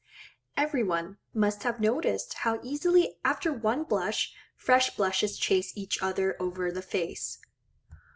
Every one must have noticed how easily after one blush fresh blushes chase each other over the face.